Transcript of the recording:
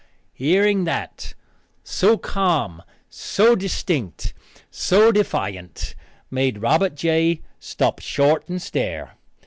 Hearing that, so calm, so distinct, so defiant, made Robert J. stop short and stare.